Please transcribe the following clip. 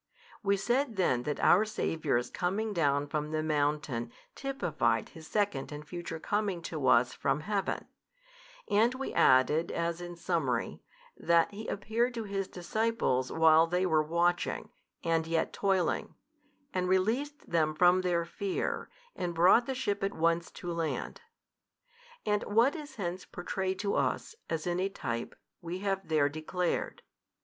We said then that our Saviour's coming down from the mountain typified His second and future Coming to us from Heaven, and we added as in summary, that He appeared to His disciples while they were watching, and yet toiling, and released them from their fear, and brought the ship at once to land. And what is hence pourtrayed to us, as in a type, we have there declared.